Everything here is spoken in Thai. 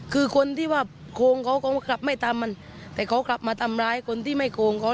คือคนที่ว่าโกงเขาก็กลับไม่ทำมันแต่เขากลับมาทำร้ายคนที่ไม่โกงเขา